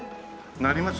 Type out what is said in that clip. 鳴ります？